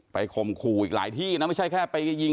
ข่มขู่อีกหลายที่นะไม่ใช่แค่ไปยิง